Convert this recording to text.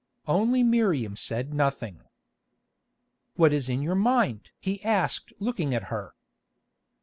Only Miriam said nothing. "What is in your mind?" he asked looking at her.